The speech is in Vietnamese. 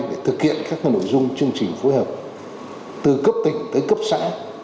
để thực hiện các nội dung chương trình phối hợp từ cấp tỉnh tới cấp xã